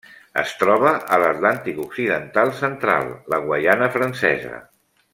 Es troba a l'Atlàntic occidental central: la Guaiana Francesa.